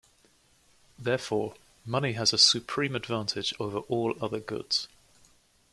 Therefore, money has a supreme advantage over all other goods.